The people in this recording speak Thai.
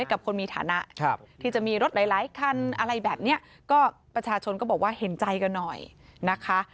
กับคนมีฐานะที่จะมีรถหลายหลายคันอะไรแบบนี้ก็ประชาชนก็บอกว่าเห็นใจกันหน่อยนะคะ